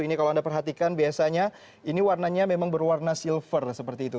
ini kalau anda perhatikan biasanya ini warnanya memang berwarna silver seperti itu